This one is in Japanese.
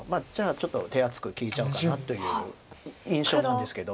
ちょっと手厚く聞いちゃおうかなという印象なんですけど。